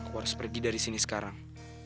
aku harus pergi dari sini sekarang